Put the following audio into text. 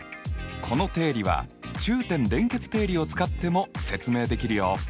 この定理は中点連結定理を使っても説明できるよ。